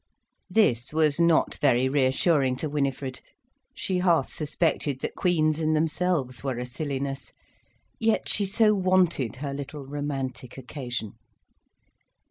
This was not very reassuring to Winifred. She half suspected that queens in themselves were a silliness. Yet she so wanted her little romantic occasion.